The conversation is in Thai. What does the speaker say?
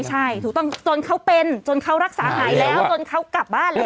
ใช่ถูกต้องจนเขาเป็นจนเขารักษาหายแล้วจนเขากลับบ้านแล้ว